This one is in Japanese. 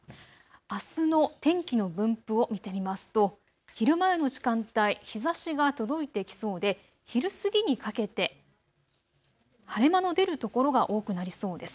あすの天気の分布を見てみますと昼前の時間帯、日ざしが届いてきそうで昼過ぎにかけて晴れ間の出る所が多くなりそうです。